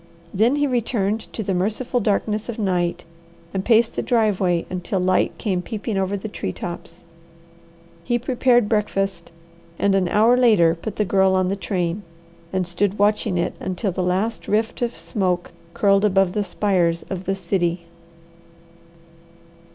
Then he returned to the merciful darkness of night, and paced the driveway until light came peeping over the tree tops. He prepared breakfast and an hour later put the Girl on the train, and stood watching it until the last rift of smoke curled above the spires of the city.